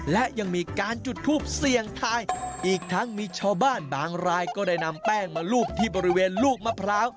และยังมีการจุดทูปเสี่ยงทายอีกทั้งมีชาวบ้านบางรายก็ได้นำแป้งมาลูบที่บริเวณลูกมะพร้าว